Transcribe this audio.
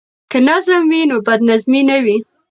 که نظم وي نو بد نظمي نه وي.